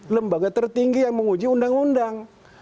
lembaga tertinggi yang menguji undang undang